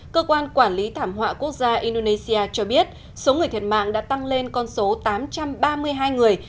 cơ quan quản lý thảm họa quốc gia indonesia cho biết số người thiệt mạng đã tăng lên con số tám trăm ba mươi hai người